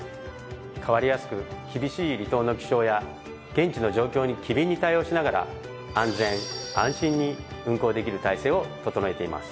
変わりやすく厳しい離島の気象や現地の状況に機敏に対応しながら安全安心に運航できる体制を整えています。